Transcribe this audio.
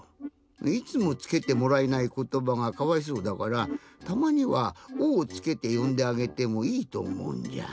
いつもつけてもらえないことばがかわいそうだからたまには「お」をつけてよんであげてもいいとおもうんじゃ。